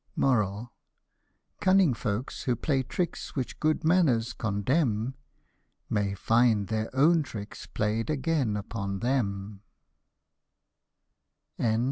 Cunning folks who play tricks which good manners condemn, Often find their own tricks play'd upon them again.